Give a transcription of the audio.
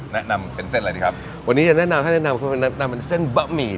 แนะนำเป็นเส้นอะไรดีครับวันนี้จะแนะนำให้แนะนำคือแนะนำเป็นเส้นบะหมี่